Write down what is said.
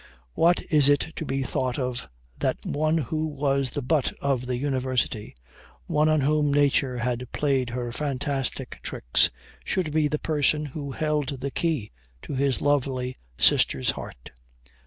What is it to be thought of that one who was the butt of the University one on whom nature had played her fantastic tricks, should be the person who held the key to his lovely sister's heart?